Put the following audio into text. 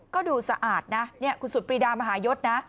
ก็ดูสะอาดนะคุณสุดปรีดามหายศนะ